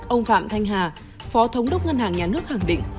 ông phạm thanh hà phó thống đốc ngân hàng nhà nước khẳng định